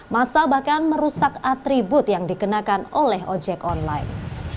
masa bahkan merusak atribut yang dikenakan oleh ojek online